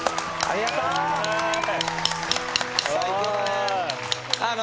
最高だね。